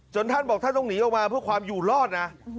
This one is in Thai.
ท่านบอกท่านต้องหนีออกมาเพื่อความอยู่รอดนะ